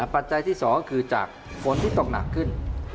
ปัจจัยที่๒ก็คือจากฝนที่ตกหนักขึ้น